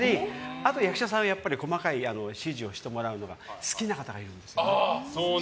あと役者さんはやっぱり細かい指示をしてもらうのが好きな方がいるんです。